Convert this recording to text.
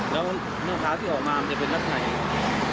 แล้วลูกค้าที่ออกมามันจะเป็นรักใคร